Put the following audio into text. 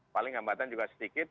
paling hambatan juga sedikit